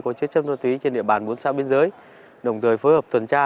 có chứa chấp ma túy trên địa bàn bốn xã biên giới đồng thời phối hợp tuần tra